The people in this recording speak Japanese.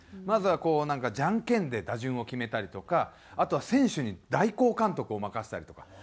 まずはこうなんかジャンケンで打順を決めたりとかあとは選手に代行監督を任せたりとか。